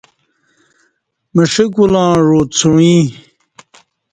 مݜہ کولاں عو څوئیں